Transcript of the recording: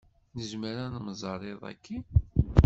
Nezmer ad nemẓeṛ iḍ-aki?